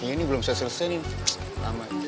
ini belum selesai nih